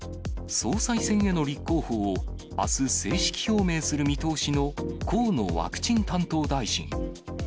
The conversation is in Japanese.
総裁選への立候補をあす、正式表明する見通しの河野ワクチン担当大臣。